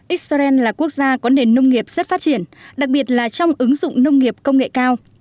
israel là quốc gia có nền nông nghiệp rất phát triển đặc biệt là trong ứng dụng nông nghiệp công nghệ cao